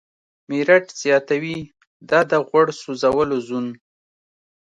میرټ زیاتوي، دا د "غوړ سوځولو زون